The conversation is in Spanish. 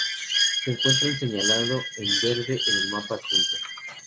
Se encuentra señalado en verde en el mapa adjunto.